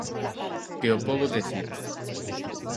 Que o pobo decida.